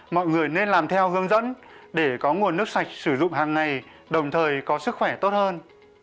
mọi người nên làm theo hướng dẫn để có nguồn nước sạch sử dụng hàng ngày đồng thời có sức khỏe tốt hơn